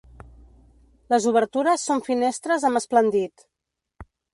Les obertures són finestres amb esplandit.